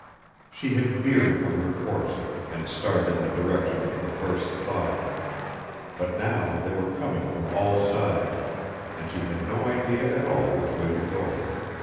She had veered from her course and started in the direction of the first thought, but now they were coming from all sides and she had no idea at all which way to go.